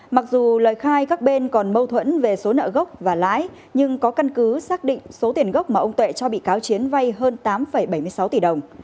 mặc dù lời khai các bên còn mâu thuẫn về số nợ gốc và lãi nhưng có căn cứ xác định số tiền gốc mà ông tuệ cho bị cáo chiến vay hơn tám bảy mươi sáu tỷ đồng